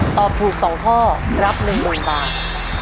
ตอบถูก๒ข้อรับ๑๐๐๐บาท